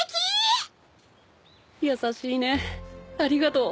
優しいねありがとう。